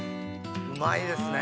うまいですね。